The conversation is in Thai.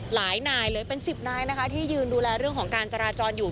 หลายนายเลยเป็นสิบนายนะคะที่ยืนดูแลเรื่องของการจราจรอยู่